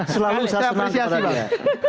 selalu saya senang kepada dia